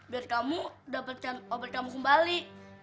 biar kamu dapatkan obat kamu kembali